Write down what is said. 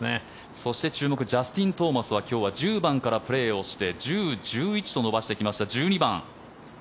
そして注目ジャスティン・トーマスは１０番からプレーして１０、１１と伸ばしてきまして１２番。